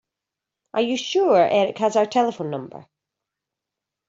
Are you sure Erik has our telephone number?